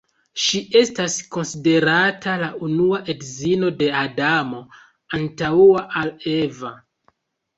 Ŝi estas konsiderata la unua edzino de Adamo, antaŭa al Eva.